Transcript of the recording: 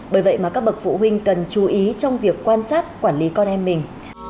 bởi vậy mà các bậc phụ huynh cần chú ý trong việc quan sát quản lý con em mình